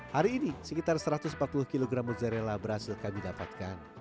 hari ini sekitar satu ratus empat puluh kg mozzarella berhasil kami dapatkan